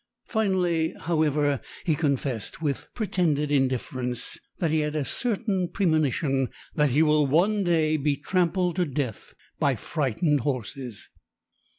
Finally however he confessed, with pretended indifference, that he has the certain premonition that he will one day be trampled to death by frightened horses.